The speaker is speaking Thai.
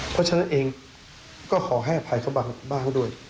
เพราะฉะนั้นเองก็ขอให้อภัยเขาบ้างด้วย